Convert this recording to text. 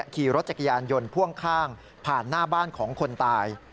ขี่รถจักรยานยนต์พ่วงข้างผ่านหน้าบ้านของคนตาย